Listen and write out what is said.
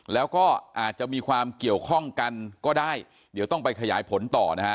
แล้วก็อาจจะมีความเกี่ยวข้องกันก็ได้เดี๋ยวต้องไปขยายผลต่อนะฮะ